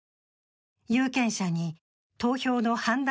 有権者に投票の判断